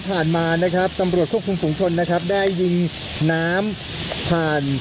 ผ่านมานะครับตำรวจควบคุมฝุงชนนะครับได้ยิงน้ำผ่าน